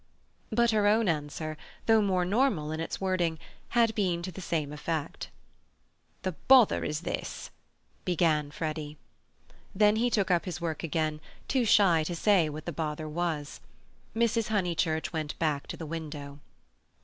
But her own answer, though more normal in its wording, had been to the same effect. "The bother is this," began Freddy. Then he took up his work again, too shy to say what the bother was. Mrs. Honeychurch went back to the window.